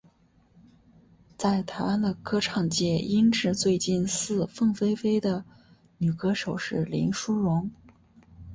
在台湾的歌唱界音质最近似凤飞飞的女歌手是林淑容。